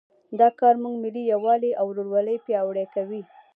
دا کار زموږ ملي یووالی او ورورولي پیاوړی کوي